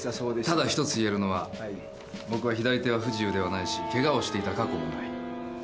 ただひとつ言えるのは僕は左手は不自由ではないしケガをしていた過去もない。